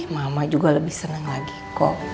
mama juga lebih senang lagi kok